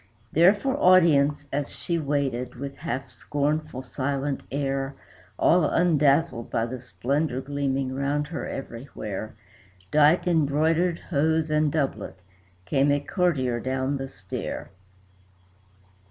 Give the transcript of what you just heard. There for audience as she waited, with half scornful, silent air All undazzled by the splendor gleaming round her everywhere, Dight in broidered hose and doublet, came a courtier down the stair.